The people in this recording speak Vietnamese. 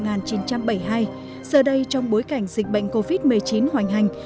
giờ đây trong bối cảnh dịch bệnh covid một mươi chín hoành hành